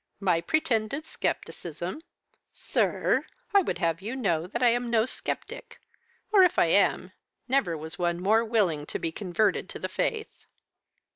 "My pretended scepticism! Sir, I would have you know that I am no sceptic; or, if I am, never was one more willing to be converted to the faith."